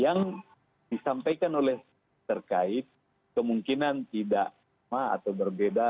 yang disampaikan oleh terkait kemungkinan tidak sama atau berbeda